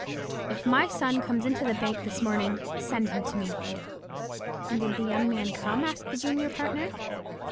If my son comes into the bank this morning send him to me.'" "And did the young man come?" asked the junior partner.